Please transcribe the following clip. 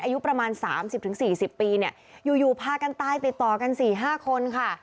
อายุประมาณ๓๐๔๐ปีเนี่ยอยู่พากันตายติดต่อกัน๔๕คนค่ะ